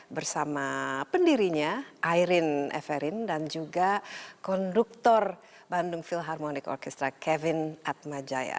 bersama pendirinya airin everin dan juga konduktor bandung philharmonic orchestra kevin atmajaya